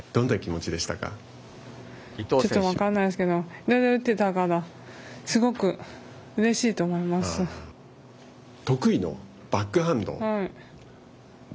ちょっと分からないですけど打てたから得意のバックハンド。